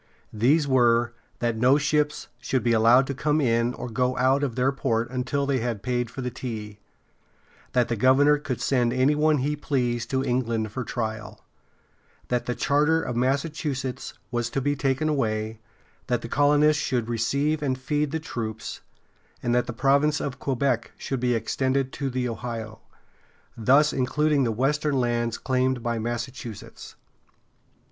These were that no ships should be allowed to come in or go out of their port until they had paid for the tea; that the governor could send any one he pleased to England for trial; that the charter of Massachusetts was to be taken away; that the colonists should receive and feed the troops; and that the province of Quebec should be extended to the Ohio, thus including the western lands claimed by Massachusetts.